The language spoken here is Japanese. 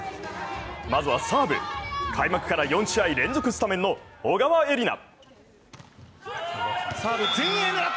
まずは開幕から４試合連続スタメンの小川愛里奈